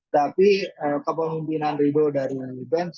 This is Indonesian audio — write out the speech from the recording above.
tapi kemungkinan ridho dari fans